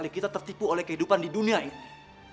acap kali kita tertipu oleh kehidupan di dunia ini